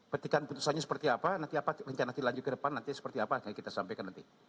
petikan putusannya seperti apa nanti apa rencana dilanjut ke depan nanti seperti apa nanti kita sampaikan nanti